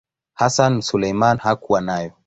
Hassan Suleiman hakuwa nayo.